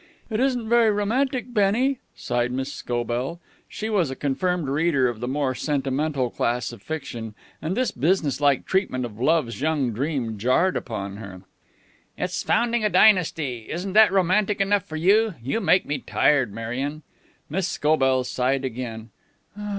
"It isn't very romantic, Bennie," sighed Miss Scobell. She was a confirmed reader of the more sentimental class of fiction, and this business like treatment of love's young dream jarred upon her. "It's founding a dynasty. Isn't that romantic enough for you? You make me tired, Marion." Miss Scobell sighed again.